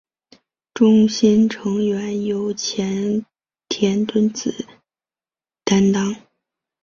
中心成员由前田敦子担当。